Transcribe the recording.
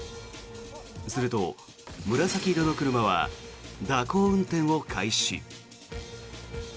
すると、紫色の車は蛇行運転を開始。